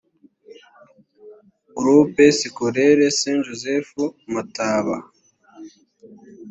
groupe scolaire st joseph mataba